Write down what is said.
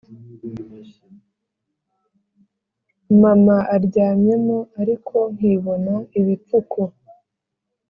mama aryamyemo ariko nkibona ibipfuko